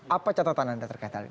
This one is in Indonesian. apa catatan anda terkait hal ini